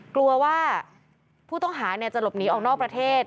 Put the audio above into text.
กลัวว่าผู้ต้องหาจะหลบหนีออกนอกประเทศ